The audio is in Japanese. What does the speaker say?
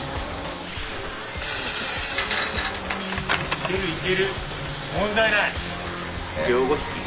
いけるいける問題ない。